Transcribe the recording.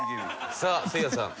さあせいやさん。